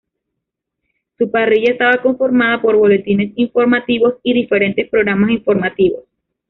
Su parrilla estaba conformada por boletines informativos, y diferentes programas informativos.